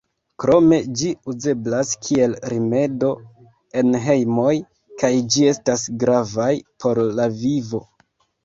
Krome ĝi uzeblas kiel rimedo en hejmoj kaj ĝi estas gravaj por la vivo.